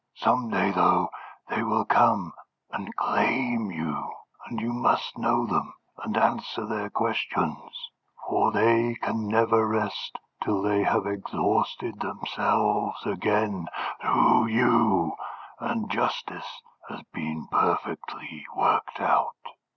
Some day, though, they will come and claim you, and you must know them, and answer their questions, for they can never rest till they have exhausted themselves again through you, and justice has been perfectly worked out.